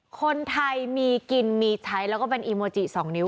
คนไทยมีกินมีใช้แล้วก็เป็นอีโมจิ๒นิ้ว